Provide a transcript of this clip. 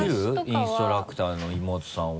インストラクターの妹さんは。